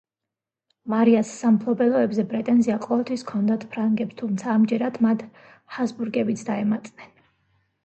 მარიას სამფლობელოებზე პრეტენზია ყოველთვის ჰქონდათ ფრანგებს, თუმცა ამჯერად მათ ჰაბსბურგებიც დაემატნენ.